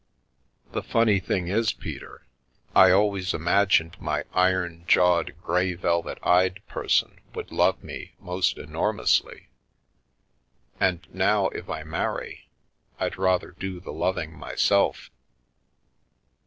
The funny thing is, Peter, I always imagined my iron jawed, grey velvet eyed person would love me most enormously, and now if I marry, I'd rather do the loving myself.